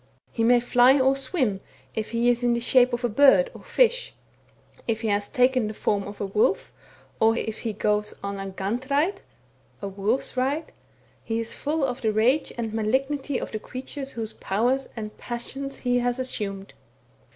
He may fly or swim, if he is in the shape of bird or fish ; if he has taken the form of a wolf, or if he THE WERE WOLF IN THE NORTH. 17 goes on a gandrei^, or wolf s ride, he is fall of the rage and malignity of the creatures whose powers and passions he has assumed.